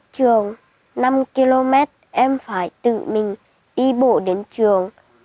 từ nhà em cách trường năm km em phải tự mình đi bộ đến trường